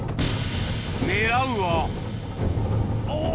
狙うはおわ。